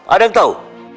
ada yang tahu